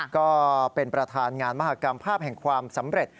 ก็เป็นประธานงานมหากรรมภาพแห่งความสำเร็จ